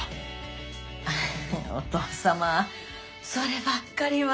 お父様そればっかりは。